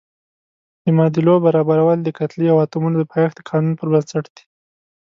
د معادلو برابرول د کتلې او اتومونو د پایښت قانون پر بنسټ دي.